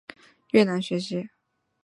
姚明伟上完高三后去越南学习。